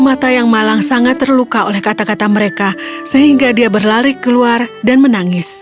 mata yang malang sangat terluka oleh kata kata mereka sehingga dia berlari keluar dan menangis